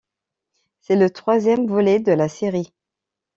C'est le troisième volet de la série '.